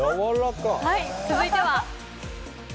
続いては。